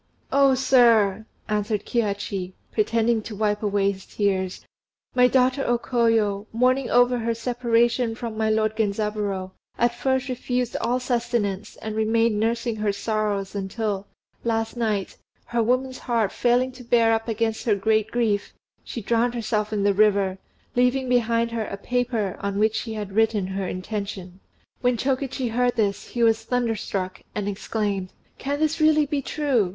"Oh! sir," answered Kihachi, pretending to wipe away his tears, "my daughter O Koyo, mourning over her separation from my lord Genzaburô, at first refused all sustenance, and remained nursing her sorrows until, last night, her woman's heart failing to bear up against her great grief, she drowned herself in the river, leaving behind her a paper on which she had written her intention." When Chokichi heard this, he was thunderstruck, and exclaimed, "Can this really be true!